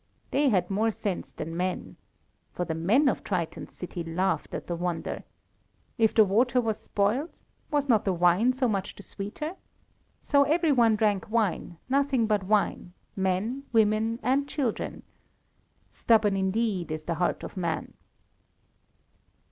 They had more sense than men. For the men of Triton's city laughed at the wonder. If the water was spoilt, was not the wine so much the sweeter? So every one drank wine, nothing but wine men, women, and children. Stubborn, indeed, is the heart of man!